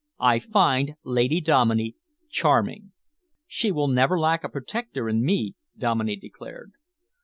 I find Lady Dominey charming." "She will never lack a protector in me," Dominey declared.